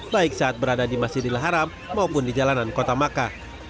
baik saat berada di masjidil haram maupun di jalanan kota makkah